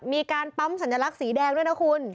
มีการปั๊มสัญลักษณ์สีแดงด้วยนะคุณ